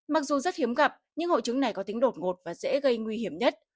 mặc dù rất hiếm gặp nhưng hội chứng này có tính đột ngột và dễ gây nguy hiểm nhất